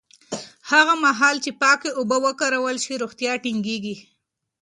هغه مهال چې پاکې اوبه وکارول شي، روغتیا ټینګېږي.